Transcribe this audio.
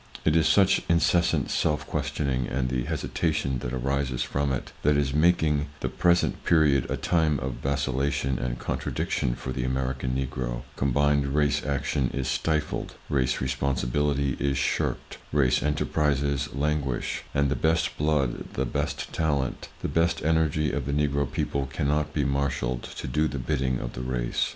It is such incessant self questioning and the hesitation that arises from it, that is making the present period a time of vacillation and contradiction for the American Negro; combined race action is stifled, race responsibility is shirked, race enterprises languish, and the best blood, the best talent, the best energy of the Negro people cannot be marshalled to do the bidding of the race.